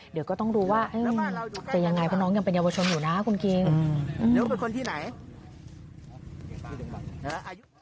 เดี๋ยวก็ต้องดูว่าเป็นอย่างไรเพราะน้องยังเป็นเยาวชนอยู่นะครับคุณจริง